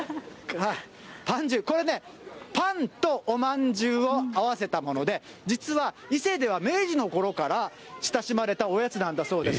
ぱんじゅう、これね、パンとおまんじゅうを合わせたもので、実は伊勢では明治のころから親しまれたおやつなんだそうです。